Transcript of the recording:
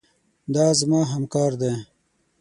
دا زما همکار دی.